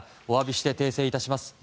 お詫びして訂正致します。